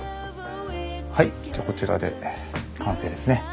はいじゃこちらで完成ですね。